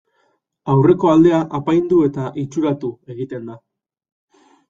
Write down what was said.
Aurreko aldea apaindu eta itxuratu egiten da.